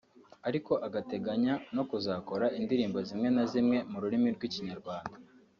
ariko agateganya no kuzakora indirimbo zimwe na zimwe mu rurimi rw’ikinyarwanda